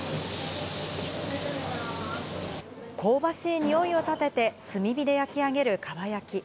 香ばしい匂いを立てて、炭火で焼き上げるかば焼き。